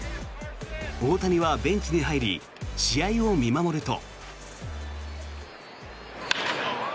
大谷はベンチに入り試合を見守ると。